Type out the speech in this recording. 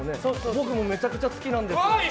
僕もめちゃめちゃ好きなんです。